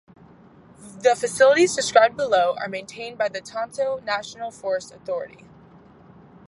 The facilities described below are maintained by the Tonto National Forest authority.